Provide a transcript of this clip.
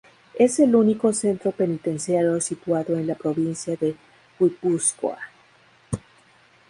Es el único centro penitenciario situado en la provincia de Guipúzcoa.